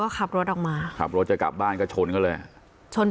ขับรถกลับบ้านก็ชน